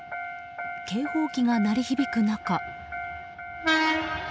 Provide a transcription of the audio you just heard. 警報機が鳴り響く中。